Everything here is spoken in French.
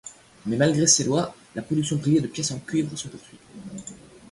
Mais malgré ces lois, la production privée de pièces en cuivre se poursuit.